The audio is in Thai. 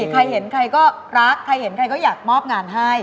ใครเห็นใครก็รักใครเห็นใครก็อยากมอบงานให้